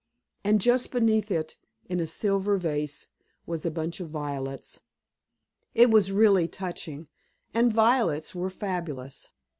And just beneath it, in a silver vase, was a bunch of violets. It was really touching, and violets were fabulous.